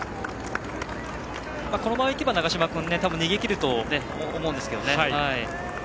このまま行けば長嶋君多分、逃げ切ると思うんですけど。